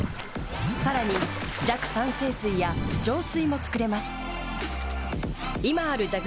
さらに弱酸性水や浄水も作れます。